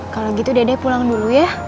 kalau gitu deh pulang dulu ya